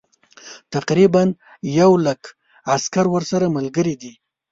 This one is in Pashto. تقریبا یو لک عسکر ورسره ملګري دي.